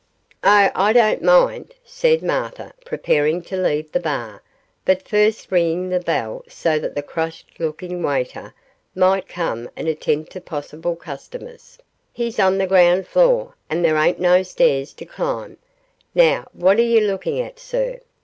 'Oh, I don't mind,' said Martha, preparing to leave the bar, but first ringing the bell so that the crushed looking waiter might come and attend to possible customers; 'he's on the ground floor, and there ain't no stairs to climb now what are you looking at, sir?